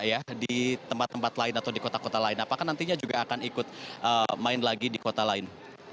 ya di tempat tempat lain atau di kota kota lain apakah nantinya juga akan ikut main lagi di kota lain